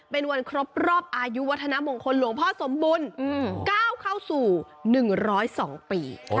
ต้องปลูกบางปี